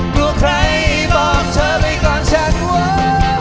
กลัวใครบอกเธอไปก่อนฉัน